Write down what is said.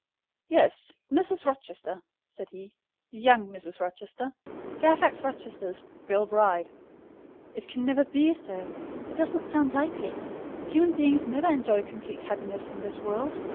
"Yes, Mrs. Rochester," said he; "young Mrs. Rochester—Fairfax Rochester's girl bride." "It can never be, sir; it does not sound likely. Human beings never enjoy complete happiness in this world.